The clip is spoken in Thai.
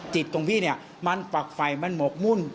จิตของพี่เนี่ยมันฝักไฟมันหมกมุ่น